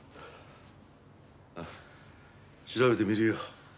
ああ調べてみるよ。